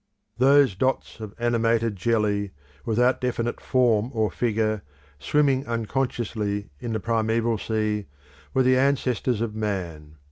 Origin and Early History of Man Those dots of animated jelly, without definite form or figure, swimming unconsciously in the primeval sea, were the ancestors of man.